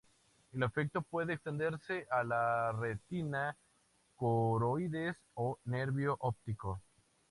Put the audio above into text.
El defecto puede extenderse a la retina, coroides o nervio óptico.